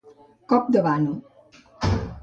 Cop de vano.